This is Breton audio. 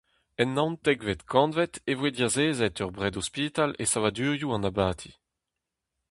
En naontekvet kantved e voe diazezet ur bredospital e savadurioù an abati.